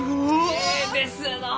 えいですのう！